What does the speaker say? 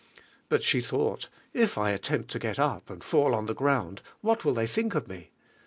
But she though! — If I attempt * to get up, ami fall upon the ground, what will they think of me?